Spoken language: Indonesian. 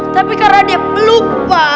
tapi karena dia belupa